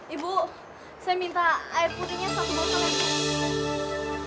ibu saya minta air putihnya satu botol ya